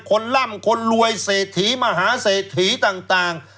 ล่ำคนรวยเศรษฐีมหาเศรษฐีต่าง